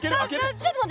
ちょっと待って。